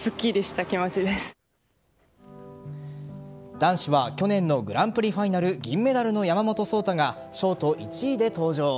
男子は去年のグランプリファイナル銀メダルの山本草太がショート１位で登場。